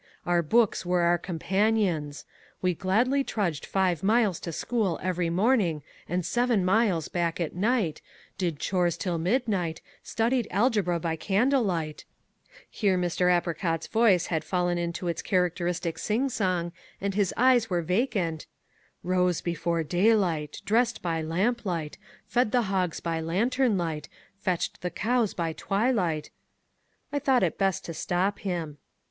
Our books were our companions. We gladly trudged five miles to school every morning and seven miles back at night, did chores till midnight, studied algebra by candlelight" here Mr. Apricot's voice had fallen into its characteristic sing song, and his eyes were vacant "rose before daylight, dressed by lamplight, fed the hogs by lantern light, fetched the cows by twilight " I thought it best to stop him.